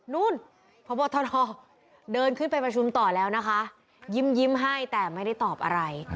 นู้นพบทนเดินขึ้นไปประชุมต่อแล้วนะคะยิ้มให้แต่ไม่ได้ตอบอะไร